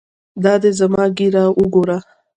دا دى زما ږيره وګوره.